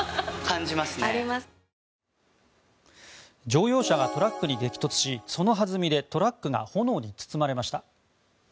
乗用車がトラックに激突しその弾みでトラックが炎に包まれました。